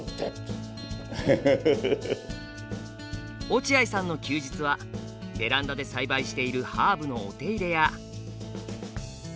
落合さんの休日はベランダで栽培しているハーブのお手入れや。